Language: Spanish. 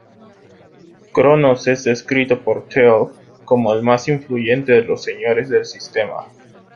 Cronos es descrito por Teal'c como el más influyente de los Señores del Sistema.